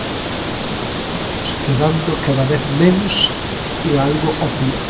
Que por aquí imos quedando cada vez menos é algo obvio.